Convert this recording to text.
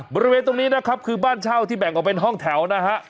บริเวณตรงนี้นะครับคือบ้านเช่าที่แบ่งออกเป็นห้องแถวนะฮะ